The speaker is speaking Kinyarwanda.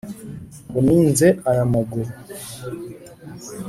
ngo ninze aya maguru,